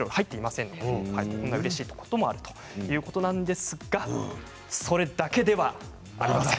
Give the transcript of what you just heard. こんなうれしいこともあるということなんですがそれだけではありません。